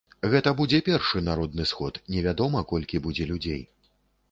Гэта будзе першы народны сход, невядома, колькі будзе людзей.